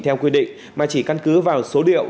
theo quy định mà chỉ căn cứ vào số điệu